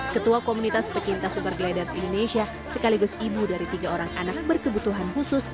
ketua komunitas pecinta super gliders indonesia sekaligus ibu dari tiga orang anak berkebutuhan khusus